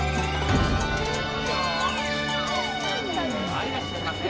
はいいらっしゃいませ。